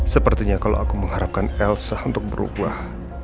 sepertinya kalau aku mengharapkan elsa untuk berubah